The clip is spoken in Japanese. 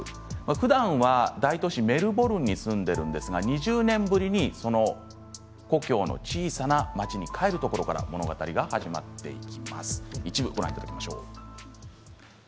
ふだんは大都市、メルボルンに住んでいるんですが２０年ぶりに故郷の小さな町に帰るところから物語が始まります。